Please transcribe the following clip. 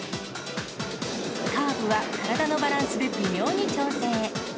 カーブは体のバランスで微妙に調整。